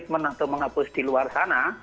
teman teman atau menghapus di luar sana